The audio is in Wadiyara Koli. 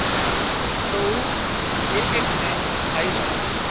تو اُو ايڪ ايڪ نين کائي زاشي